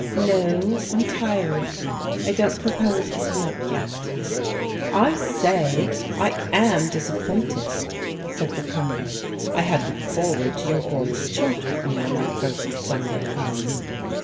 " No, I'm tired. I don't propose getting up yet." " I say, I am disappointed," said the Colonel. " I had looked forward to your going to church with me on my first Sunday home."